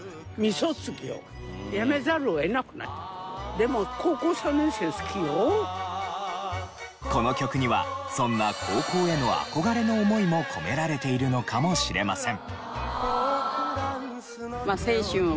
でもこの曲にはそんな高校への憧れの思いも込められているのかもしれません。